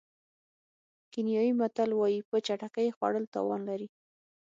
کینیايي متل وایي په چټکۍ خوړل تاوان لري.